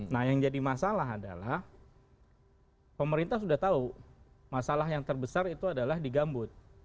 nah yang jadi masalah adalah pemerintah sudah tahu masalah yang terbesar itu adalah di gambut